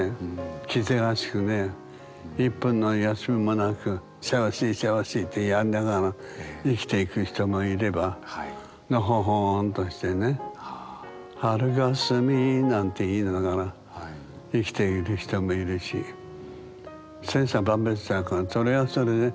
気ぜわしくね１分の休みもなくせわしいせわしいってやりながら生きていく人もいればのほほんとしてね「春霞」なんて言いながら生きている人もいるし千差万別だからそれはそれで。